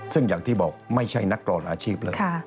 ซึ่งอย่างที่บอกไม่ใช่นักกรอนอาชีพแล้ว